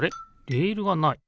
レールがない。